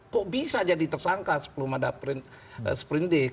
kok bisa jadi tersangka sebelum ada seperindik